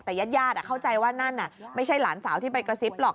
แต่ญาติเข้าใจว่านั่นไม่ใช่หลานสาวที่ไปกระซิบหรอก